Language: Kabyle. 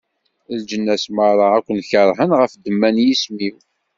Leǧnas meṛṛa ad ken-keṛhen ɣef ddemma n yisem-iw.